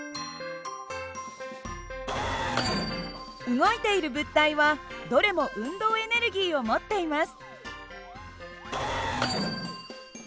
動いている物体はどれも運動エネルギーを持っています。